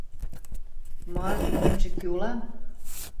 Ма, мӹньжӹ кӱ ылам?